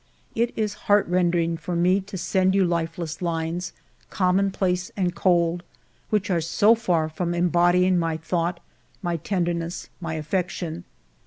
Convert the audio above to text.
It is heartrending for me to send you lifeless lines, commonplace and cold, which are so far from embodying my thought, my tender ness, my affection.